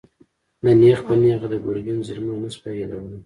ده نېغ په نېغه د ګرګين ظلمونه نه شوای يادولای.